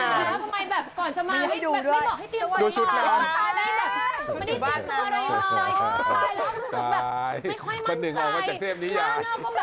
มันไม่ค่อยนึงออกมาจากเทปนี้อย่า